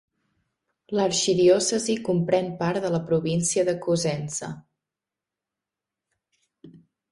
L'arxidiòcesi comprèn part de la província de Cosenza.